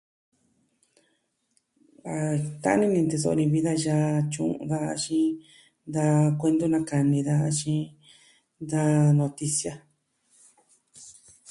A ta'an ini ni teso'o ni vi da yaa tyu'un daja axin da kuentu nakani daja axin da notisia.